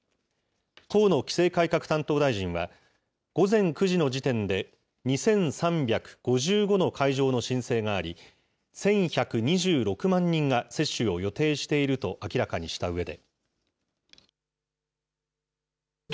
河野規制改革担当大臣は、午前９時の時点で２３５５の会場の申請があり、１１２６万人が接種を予定していると明らかにしたうえで。